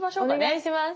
お願いします。